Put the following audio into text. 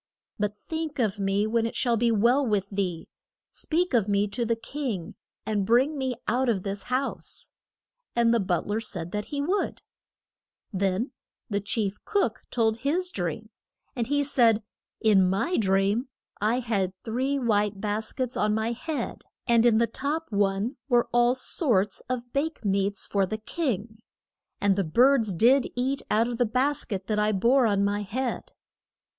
But think of me when it shall be well with thee; speak of me to the king, and bring me out of this house. And the but ler said that he would. [Illustration: JO SEPH'S COAT.] Then the chief cook told his dream; and he said, In my dream I had three white bas kets on my head. And in the top one were all sorts of bake meats for the king. And the birds did eat out of the bas ket that I bore on my head.